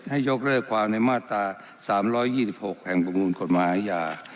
ให้ยกเลิกความในมาตรา๓๒๖แห่งประมวลกฎหมายอาญา